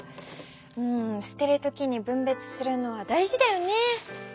うんすてる時にぶんべつするのは大事だよね。